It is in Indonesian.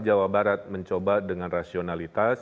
jawa barat mencoba dengan rasionalitas